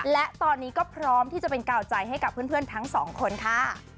และตอนนี้ก็พร้อมที่จะเป็นกาวใจให้กับเพื่อนทั้งสองคนค่ะ